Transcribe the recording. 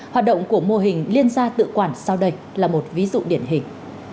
hoạt động của mô hình liên gia tự quản sau đây là một ví dụ điển hình